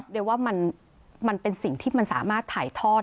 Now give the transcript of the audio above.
เรียกว่ามันเป็นสิ่งที่มันสามารถถ่ายทอด